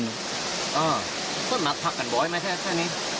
อ้อท่วดมาพักกันบ่อยไหมแท่นี้